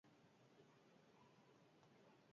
Arraun kolpeka dokumentalaren inguruan jarduteko.